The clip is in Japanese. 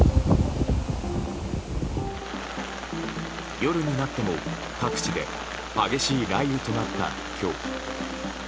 夜になっても各地で激しい雷雨となった今日。